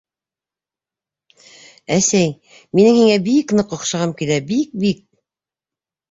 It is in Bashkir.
- Әсәй, минең һиңә бик ныҡ оҡшағым килә, бик, бик!